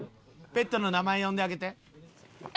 ペットの名前呼んであげて。